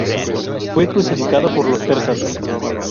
Fue crucificado por los persas.